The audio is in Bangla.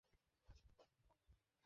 তো, সে কীভাবে মা হতে পারে?